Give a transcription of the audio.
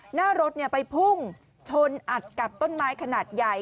หน้ารถไปพุ่งชนอัดกับต้นไม้ขนาดใหญ่